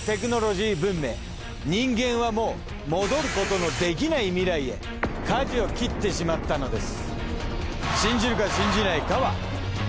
人間はもう戻ることのできない未来へ舵を切ってしまったのです。